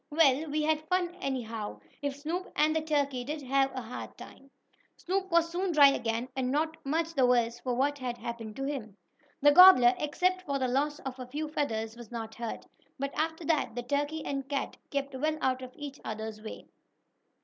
"Well, we had fun anyhow, if Snoop and the turkey did have a hard time." Snoop was soon dry again, and not much the worse for what had happened to him. The gobbler, except for the loss of a few feathers, was not hurt. But after that the turkey and cat kept well out of each other's way.